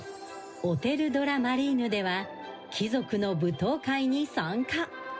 オテル・ド・ラ・マリーヌでは貴族の舞踏会に参加。